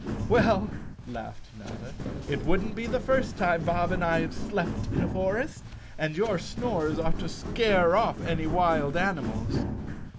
"Well," laughed Notta, "it wouldn't be the first time Bob and I have slept in a forest, and your snores ought to scare oft any wild animals."